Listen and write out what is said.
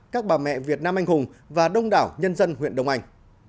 các bà mẹ việt nam anh hùng và đông đảo nhân dân huyện đông anh